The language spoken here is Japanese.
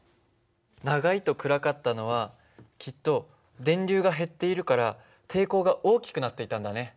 長いと暗かったのはきっと電流が減っているから抵抗が大きくなっていたんだね。